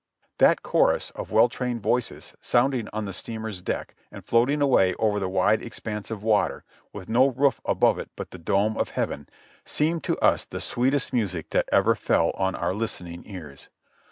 That chorus of well trained voices sounding on the steamer's deck and floating away over the wide expanse of water, with no roof above it but the dome of heaven, seemed to us the sweetest music that ever fell on our listening ears.